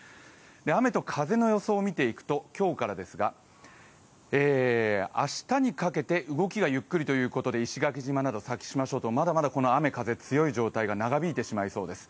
雨と風の予想を見ていくと今日からですが、明日にかけて動きがゆっくりということで、石垣島など先島諸島、まだまだ強い風が長引いてしまいそうです。